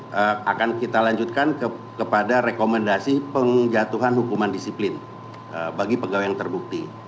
yang akan kita lanjutkan kepada rekomendasi penjatuhan hukuman disiplin bagi pegawai yang terbukti